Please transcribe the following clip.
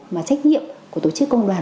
mà trách nhiệm của tổ chức công đoàn